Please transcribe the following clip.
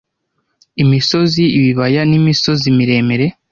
imisozi ibibaya n'imisozi miremire